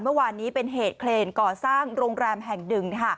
เมื่อวานนี้เป็นเหตุเคลนก่อสร้างโรงแรมแห่งหนึ่ง